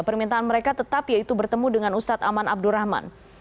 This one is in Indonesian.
permintaan mereka tetap yaitu bertemu dengan ustadz aman abdurrahman